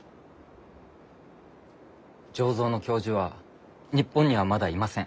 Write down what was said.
醸造の教授は日本にはまだいません。